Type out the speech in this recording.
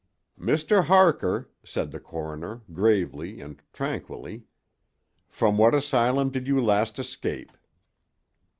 "Mr. Harker," said the coroner, gravely and tranquilly, "from what asylum did you last escape?"